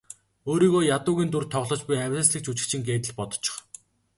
Өөрийгөө ядуугийн дүрд тоглож буй авъяаслагжүжигчин гээд л бодчих.